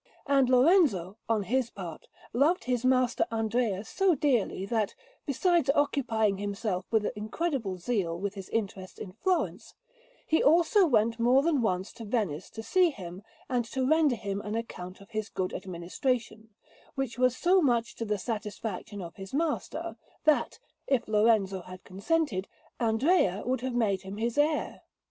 And Lorenzo, on his part, loved his master Andrea so dearly, that, besides occupying himself with incredible zeal with his interests in Florence, he also went more than once to Venice to see him and to render him an account of his good administration, which was so much to the satisfaction of his master, that, if Lorenzo had consented, Andrea would have made him his heir.